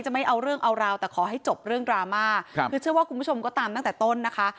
ไม่เอาเรื่องเอาราวแต่ขอให้จบเรื่องดราม่าครับคือเชื่อว่าคุณผู้ชมก็ตามตั้งแต่ต้นนะคะ